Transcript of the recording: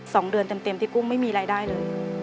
สองเดือนเต็มเต็มที่กุ้งไม่มีรายได้เลย